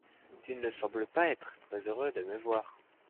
tu ne sembles pas être très heureux de me voir.